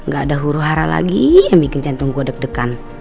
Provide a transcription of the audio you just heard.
gak ada huru hara lagi yang bikin jantung gue deg degan